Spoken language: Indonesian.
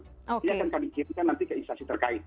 ini akan kami kirimkan nanti ke instansi terkait